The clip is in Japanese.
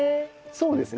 そうですね